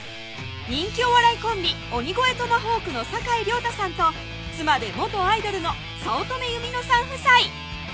人気お笑いコンビ・鬼越トマホークの坂井良多さんと妻で元アイドルの早乙女ゆみのさん夫妻